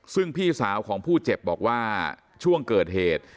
ซึ่งพี่สาวของผู้เจ็บบอกว่าช่วงเกิดเหตุ